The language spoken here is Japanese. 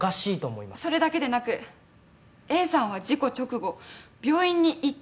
それだけでなくＡさんは事故直後病院に行っていないんです。